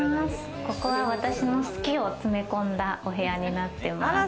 ここは私の好きを詰め込んだお部屋になってます。